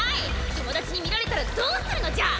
友達に見られたらどうするのじゃ！